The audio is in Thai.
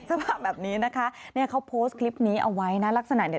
สภาพแบบนี้นะคะนี่เขานี้เอาไว้นะลักษณะเนี้ย